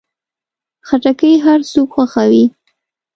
خټکی هر څوک خوښوي.